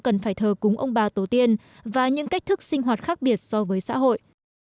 cần phải thờ cúng ông bà tổ tiên và những cách thức sinh hoạt khác biệt so với xã hội